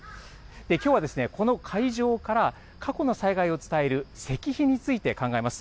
きょうはこの会場から、過去の災害を伝える石碑について考えます。